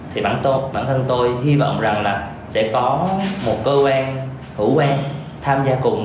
thì bản thân tôi hy vọng rằng là sẽ có một cơ quan hữu quan tham gia cùng